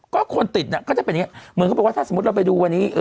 ก็คนติดก็จะเป็นอย่างนี้เหมือนเขาบอกว่าถ้าสมมุติเราไปดูวันนี้